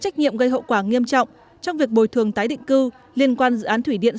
trách nhiệm gây hậu quả nghiêm trọng trong việc bồi thường tái định cư liên quan dự án thủy điện